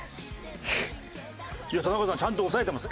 いや田中さんちゃんと押さえてます。